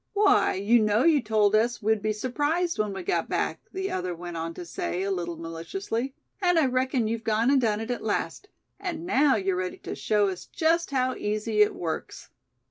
"Why, you know you told us we'd be surprised when we got back," the other went on to say, a little maliciously; "and I reckon you've gone and done it at last; and now you're ready to show us just how easy it works."